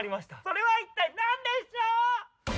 それは一体何でしょう？